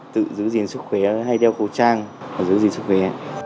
tự giữ gìn sức khỏe hay đeo khẩu trang giữ gìn sức khỏe